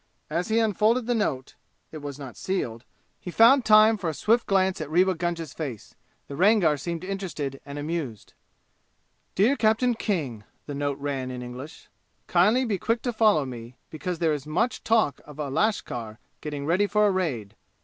As he unfolded the note it was not sealed he found time for a swift glance at Rewa Gunga's face. The Rangar seemed interested and amused. "Dear Captain King," the note ran, in English. "Kindly be quick to follow me, because there is much talk of a lashkar getting ready for a raid.